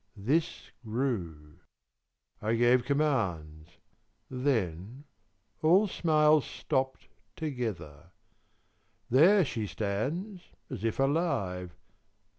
This grew; I gave commands; Then all smiles stopped together. There she stands As if alive.